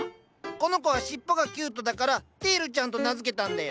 この子は尻尾がキュートだからテールちゃんと名付けたんだよ。